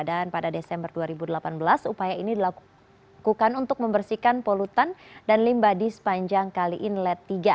dan pada desember dua ribu delapan belas upaya ini dilakukan untuk membersihkan polutan dan limbadi sepanjang kali inlet tiga